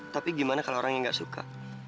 tapi gimana kalau orang yang gak suka